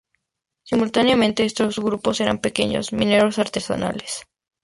Simultáneamente, estos grupos eran pequeños mineros artesanales.